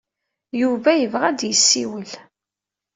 Yuba yebɣa ad d-yessiwel.